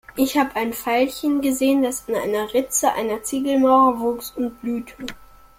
Ich hab ein Veilchen gesehen, das in der Ritze einer Ziegelmauer wuchs und blühte.